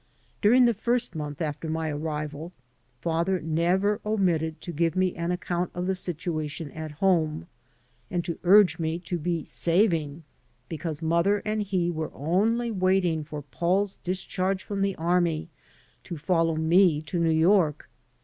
During the first month after my arrival father never omitted to give me an account of the situation at home, and to urge me to be saving, because mother and he were only waiting for Paul's discharge from the army to follow me to New York.